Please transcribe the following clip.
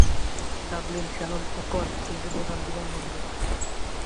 Dublin, Shannon ও Cork তিনটি প্রধান বিমানবন্দর।